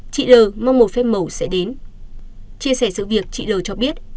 chia sẻ sự việc chị n t l cho biết